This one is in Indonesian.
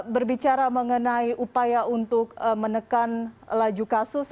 berbicara mengenai upaya untuk menekan laju kasus